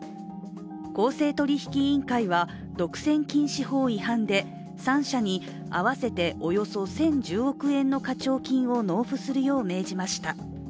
公正取引委員会は独占禁止法違反で３社に合わせておよそ１０１０億円の課徴金を納付するよう命じました。